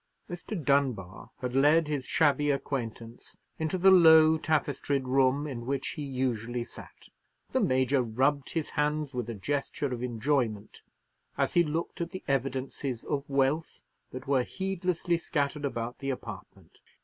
Mr. Dunbar had led his shabby acquaintance into the low, tapestried room in which he usually sat. The Major rubbed his hands with a gesture of enjoyment as he looked at the evidences of wealth that were heedlessly scattered about the apartment.